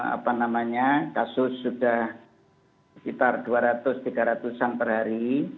apa namanya kasus sudah sekitar dua ratus tiga ratus an per hari